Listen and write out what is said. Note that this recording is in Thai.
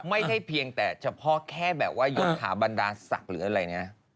เพียงแต่เฉพาะแค่แบบว่ายศถาบรรดาศักดิ์หรืออะไรนะ